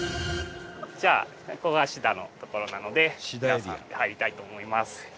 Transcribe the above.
じゃあここがシダの所なので皆さんで入りたいと思います。